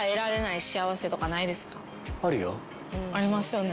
ありますよね。